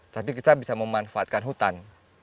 tapi kita bisa memanfaatkan hutan